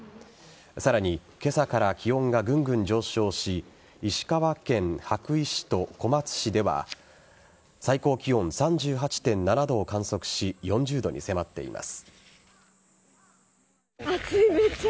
さらに今朝から気温がぐんぐん上昇し石川県羽咋市と小松市では最高気温３８．７度を観測し４０度に迫っています。